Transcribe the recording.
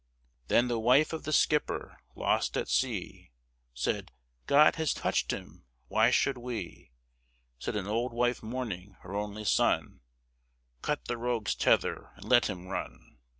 Then the wife of the skipper lost at sea Said, "God has touched him! why should we!" Said an old wife mourning her only son, "Cut the rogue's tether and let him run!"